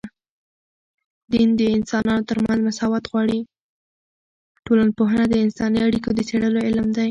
ټولنپوهنه د انساني اړیکو د څېړلو علم دی.